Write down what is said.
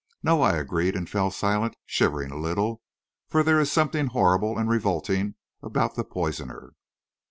"No," I agreed, and fell silent, shivering a little, for there is something horrible and revolting about the poisoner.